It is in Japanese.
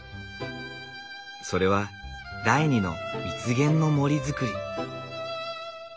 それは第２の蜜源の森づくり。